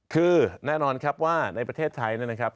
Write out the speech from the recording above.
คือแน่นอนครับว่าในประเทศไทยนะครับ